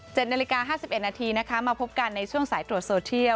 เจ็ดนาฬิกา๕๑นาทีนะคะมาพบกันในช่วงสายตรวจโซเชียล